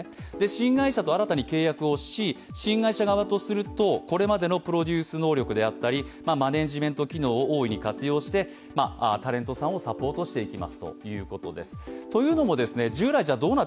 新会社と新たに契約をし、新会社側とするとこれまでのプロデュース能力であったりマネジメント機能を大いに活用してタレントさんをサポートしていきますということです。